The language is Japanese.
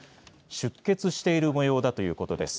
出血しているもようだということです。